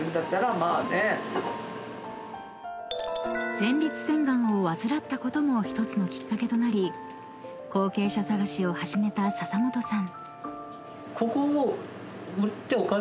［前立腺ガンを患ったことも１つのきっかけとなり後継者探しを始めた笹本さん］